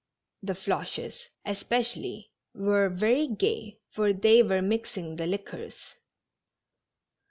The Floches, especially, were very gay. For they were mixing the liquors.